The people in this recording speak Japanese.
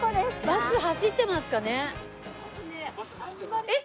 バス走ってますかね？